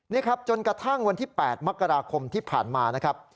นี่ครับจนกระทั่งวันที่๘มกราคมที่ผ่านมานะครับ